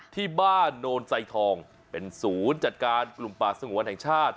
ที่บ้านโนนไซทองเป็นศูนย์จัดการกลุ่มป่าสงวนแห่งชาติ